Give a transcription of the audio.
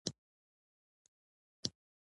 افغانستان د مورغاب سیند له پلوه ډېر متنوع دی.